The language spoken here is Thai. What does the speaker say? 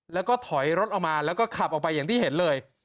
แล้วก็ถอยรถออกมาแล้วก็ขับออกไปอย่างที่เห็นเลย